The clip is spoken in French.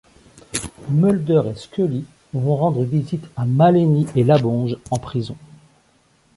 Mulder et Scully vont rendre visite à Maleeni et LaBonge en prison.